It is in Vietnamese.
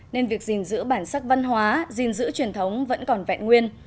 nên việc gìn giữ bản sắc văn hóa gìn giữ truyền thống vẫn còn vẹn nguyên